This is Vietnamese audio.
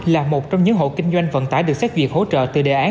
là một trong những hộ kinh doanh vận tải được xét duyệt hỗ trợ từ đề án